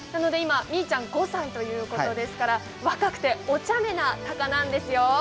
みーちゃん５歳ということですから、若くておちゃめな鷹なんですよ。